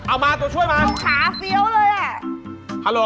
เอามาตัวช่วยมานะตรงขาเซี๊ยวเลย